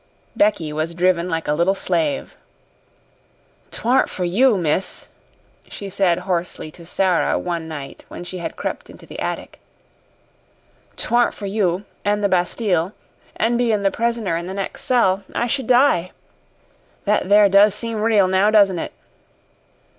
Becky was driven like a little slave. "'Twarn't for you, miss," she said hoarsely to Sara one night when she had crept into the attic "'twarn't for you, an' the Bastille, an' bein' the prisoner in the next cell, I should die. That there does seem real now, doesn't it?